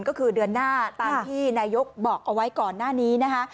ก็คือเดือนหน้าตามที่นายกบอกเอาไว้ก่อนหน้านี้นะคะ